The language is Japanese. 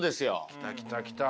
来た来た来た。